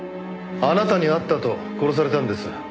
あなたに会ったあと殺されたんです。